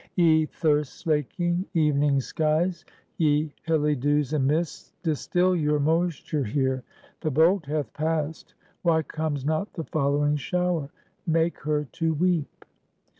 "Ye thirst slaking evening skies, ye hilly dews and mists, distil your moisture here! The bolt hath passed; why comes not the following shower? Make her to weep!"